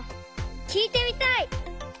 きいてみたい！